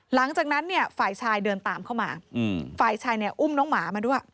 หลังจากนั้นเนี่ยฝ่ายชายเดินตามเข้ามาฝ่ายชายเนี่ยอุ้มน้องหมามาด้วย